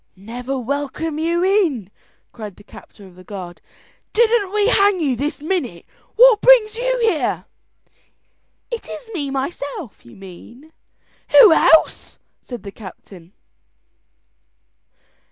"Never welcome you in," cried the captain of the guard, "didn't we hang you this minute, and what brings you here?" "Is it me myself, you mean?" "Who else?" said the captain.